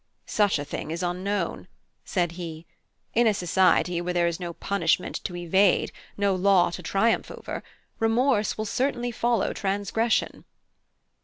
"Such a thing is unknown," said he. "In a society where there is no punishment to evade, no law to triumph over, remorse will certainly follow transgression."